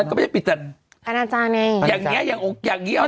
มันก็ไม่ได้ปิดจัดอันอาจารย์ไงอย่างเงี้ยอย่างอย่างเงี้ย